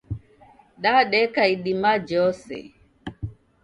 Dadeka idima jhose.